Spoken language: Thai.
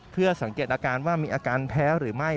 เพื่อสังเกตอาการว่ามีอาการแพ้หรือไม่